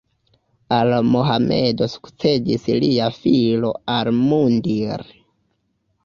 Al Mohamedo sukcedis lia filo Al-Mundir.